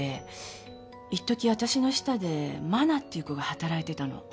いっとき私の下でマナっていう子が働いてたの。